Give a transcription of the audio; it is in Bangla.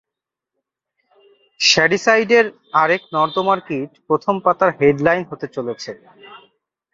শ্যাডিসাইডের আরেক নর্দমার কীট প্রথম পাতার হেডলাইন হতে চলেছে!